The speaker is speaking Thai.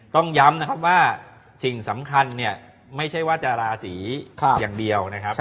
ต้องย้ำว่าสิ่งสำคัญไม่ใช่ว่าจะราศรีอย่างเดียว